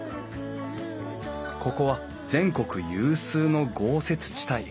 ここは全国有数の豪雪地帯。